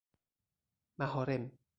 محارم